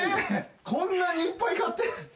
こんなにいっぱい買って。